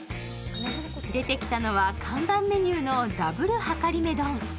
出てきたのは看板メニューのＷはかりめ丼。